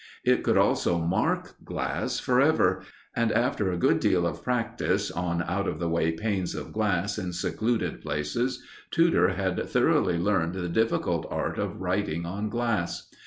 It could also mark glass for ever; and, after a good deal of practice, on out of the way panes of glass in secluded places, Tudor had thoroughly learned the difficult art of writing on glass.